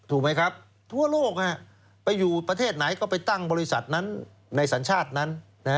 ถูกไหมครับทั่วโลกไปอยู่ประเทศไหนก็ไปตั้งบริษัทนั้นในสัญชาตินั้น